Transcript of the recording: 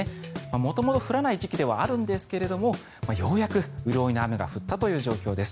元々降らない時期ではあるんですがようやく潤いの雨が降ったという状況です。